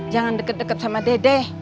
jangan dekat dekat sama dede